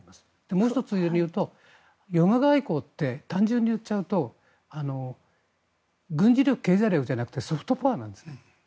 もう１つ言うとヨガ外交って単純に言っちゃうと軍事力、経済力じゃなくてソフトパワーなんですね。